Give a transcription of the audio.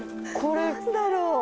何だろう。